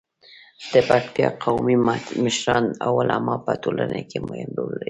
د پکتیکا قومي مشران او علما په ټولنه کې مهم رول لري.